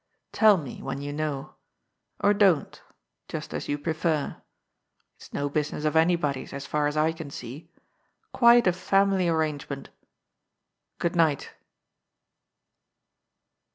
Tell me, when you know. Or don't ; just as you prefer. It's no business of anybody's, as far as I can see. Quite a family arrangement. Good night."